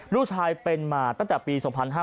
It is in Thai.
ลูกชายเป็นมาตั้งแต่ปี๒๕๕๙